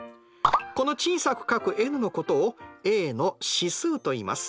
この小さく書くｎのことをａの指数といいます。